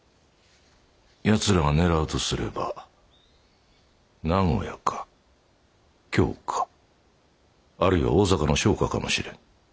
奴らが狙うとすれば名古屋か京かあるいは大坂の商家かもしれん。